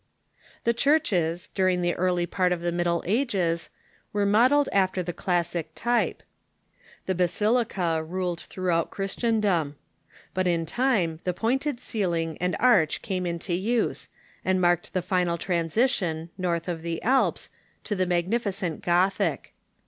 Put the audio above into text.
The churches, during the early part of the Middle Ages, were modelled after the classic type. The basilica ruled through out Christendom. But in time the pointed ceiling and arch came into use, and marked the final transition, north of the Alps, to the magnificent Gothic.